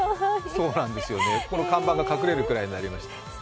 看板が隠れるぐらいになりました。